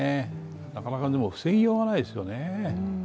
なかなか防ぎようがないですよね。